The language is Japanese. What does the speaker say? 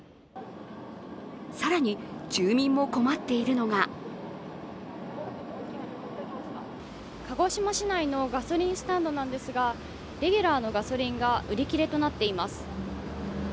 更に、住民も困っているのが鹿児島市内のガソリンスタンドなんですが、レギュラーのガソリンが売り切れとなっています。